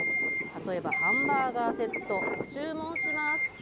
例えばハンバーガーセット、注文します。